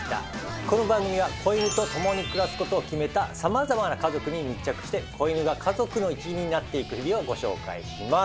この番組は子犬と共に暮らすことを決めたさまざまな家族に密着して子犬が家族の一員になっていく日々をご紹介します。